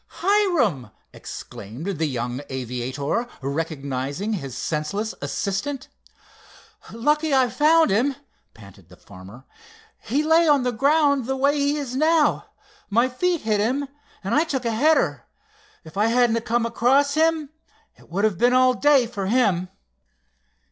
"Hiram!" exclaimed the young aviator, recognizing his senseless assistant. "Lucky I found him," panted the farmer. "He lay on the ground the way he is now. My feet hit him, and I took a header. If I hadn't come across him, it would have been all day for him."